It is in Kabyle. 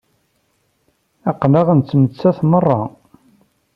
Aql-aɣ nettmettat merra.